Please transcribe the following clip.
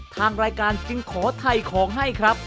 ทางรายการจึงขอถ่ายของให้ครับ